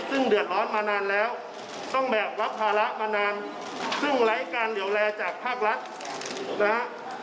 ซึ่งเดือดร้อนมานานแล้วต้องแบกรับภาระมานานซึ่งไร้การเหลี่ยวแลจากภาครัฐนะฮะ